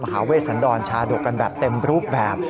หาเวชสันดรชาดกกันแบบเต็มรูปแบบ